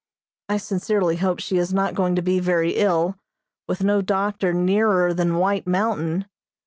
I sincerely hope she is not going to be very ill, with no doctor nearer than White Mountain.